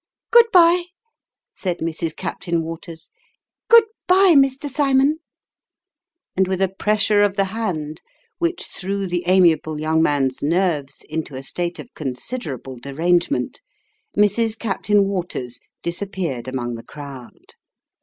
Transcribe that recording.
" Good by'e !" said Mrs. Captain Waters" good by'e, Mr. Cymon !" and with a pressure of the hand which threw the amiable young man's nerves into a state of considerable derangement, Mrs. Captain Waters disappeared among the crowd.